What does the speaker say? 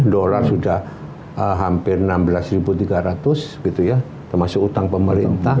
dolar sudah hampir enam belas tiga ratus gitu ya termasuk utang pemerintah